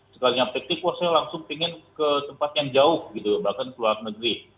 setelahnya taktik wah saya langsung ingin ke tempat yang jauh gitu bahkan ke luar negeri